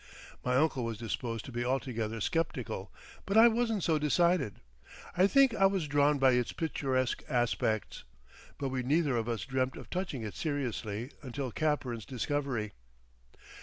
My uncle was disposed to be altogether sceptical, but I wasn't so decided. I think I was drawn by its picturesque aspects. But we neither of us dreamt of touching it seriously until Capern's discovery.